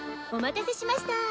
お待たせしました。